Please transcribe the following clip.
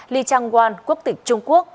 lee chang gwan quốc tịch trung quốc